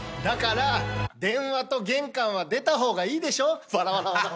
だから電話と玄関は出た方がいいでしょ。